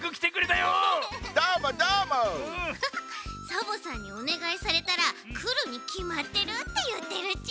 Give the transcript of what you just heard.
「サボさんにおねがいされたらくるにきまってる！」っていってるち。